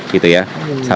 saat yang terbesar ya